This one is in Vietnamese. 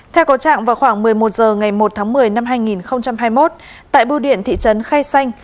theo có trạng vào khoảng một mươi một h ngày một tháng một mươi năm hai nghìn hai mươi một tại bưu điện thị trấn khai xanh